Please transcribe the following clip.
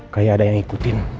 kayak ada yang ikutin